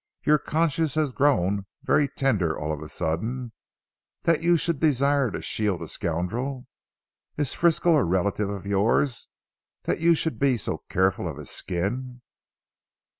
"Your conscience has grown very tender all of a sudden, that you should desire to shield a scoundrel. Is Frisco a relative of yours that you should be so careful of his skin?"